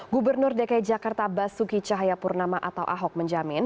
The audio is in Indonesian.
gubernur dki jakarta basuki cahayapurnama atau ahok menjamin